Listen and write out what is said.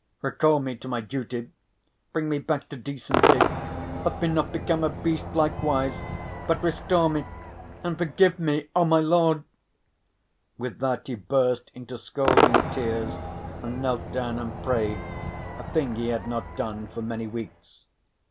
Recall me to my duty, bring me back to decency, let me not become a beast likewise, but restore me and forgive me, Oh my Lord." With that he burst into scalding tears and knelt down and prayed, a thing he had not done for many weeks.